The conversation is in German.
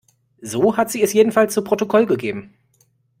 So hat sie es jedenfalls zu Protokoll gegeben.